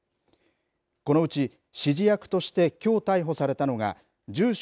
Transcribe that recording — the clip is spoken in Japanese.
このうち、指示役としてきょう逮捕されたのが住所